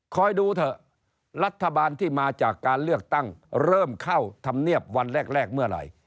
ดูเถอะรัฐบาลที่มาจากการเลือกตั้งเริ่มเข้าธรรมเนียบวันแรกเมื่อไหร่